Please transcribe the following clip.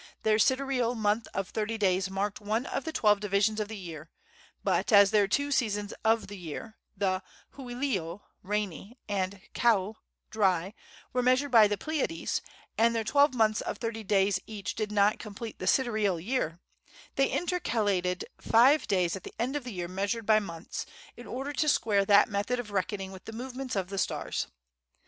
Their sidereal month of thirty days marked one of the twelve divisions of the year; but as their two seasons of the year the Hooilo (rainy) and Kau (dry) were measured by the Pleiades, and their twelve months of thirty days each did not complete the sidereal year, they intercalated five days at the end of the year measured by months, in order to square that method of reckoning with the movements of the stars.